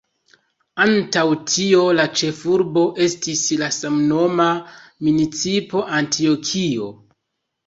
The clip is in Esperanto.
Antaŭ tio, la ĉefurbo estis la samnoma municipo Antjokio.